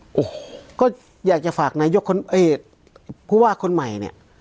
โอ้โหก็อยากจะฝากนายกคนผู้ว่าคนใหม่เนี่ย